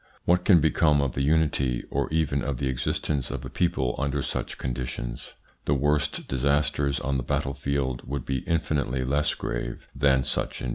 What can become of the unity, or even of the existence of a people under such conditions? The worst disasters on the battlefield would be infinitely less grave than such invasions.